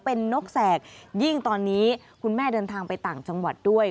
เป็นนกแสกยิ่งตอนนี้คุณแม่เดินทางไปต่างจังหวัดด้วย